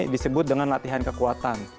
disebut dengan latihan kekuatan